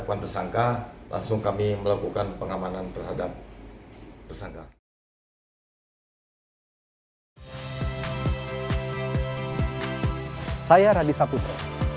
dengan tersangka langsung kami melakukan pengamanan terhadap tersangka saya raditya putra